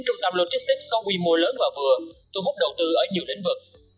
sáu mươi chín trung tâm logistics có quy mô lớn và vừa thu hút đầu tư ở nhiều lĩnh vực